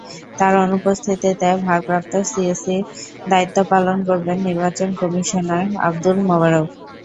তাঁর অনুপস্থিতিতে ভারপ্রাপ্ত সিইসির দায়িত্ব পালন করবেন নির্বাচন কমিশনার আবদুল মোবারক।